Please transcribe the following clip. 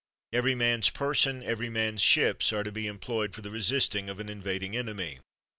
Every man's person, every man's ships are to be employed for the resisting of an invading enemy.